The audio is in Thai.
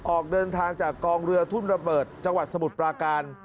ออกเดินทางจากกองเรือทุ่นระเบิดจังหวัดสมุทรปราการ